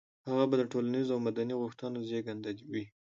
هغه به د ټولنيزو او مدني غوښتنو زېږنده وي.